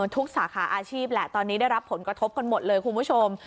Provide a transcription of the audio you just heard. ทุกสาขาอาชีพแหละตอนนี้ได้รับผลกระทบกันหมดเลยคุณผู้ชม